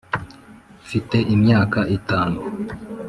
mfite imyaka itanu.